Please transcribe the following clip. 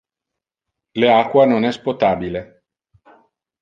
Le aqua non es potabile.